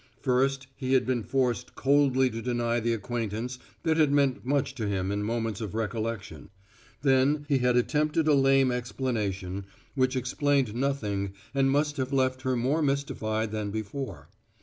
First, he had been forced coldly to deny the acquaintance that had meant much to him in moments of recollection; then, he had attempted a lame explanation, which explained nothing and must have left her more mystified than before.